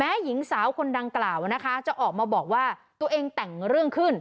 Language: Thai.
หญิงสาวคนดังกล่าวนะคะจะออกมาบอกว่าตัวเองแต่งเรื่องขึ้น